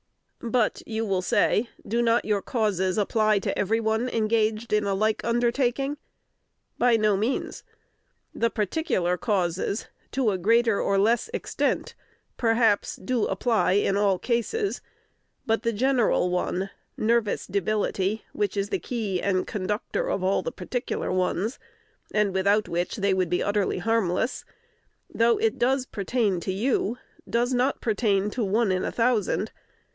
"But," you will say, "do not your causes apply to every one engaged in a like undertaking?" By no means. The particular causes, to a greater or less extent, perhaps, do apply in all cases; but the general one, nervous debility, which is the key and conductor of all the particular ones, and without which they would be utterly harmless, though it does pertain to you, does not pertain to one in a thousand.